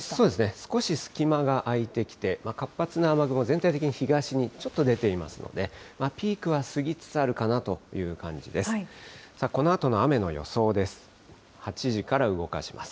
少し隙間が空いてきて、活発な雨雲、全体的に東にちょっと出ていますので、ピークは過ぎつつあるかなという感じです。